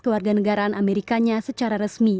kewarganegaraan amerikanya secara resmi